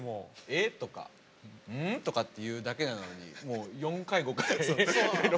「え？」とか「うん？」とかって言うだけなのにもう４回５回。